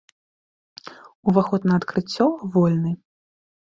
Уваход на адкрыццё вольны!